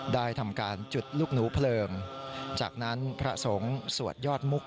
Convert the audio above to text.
ได้ทำการจุดลูกหนูเพลิงจากนั้นพระสงฆ์สวดยอดมุก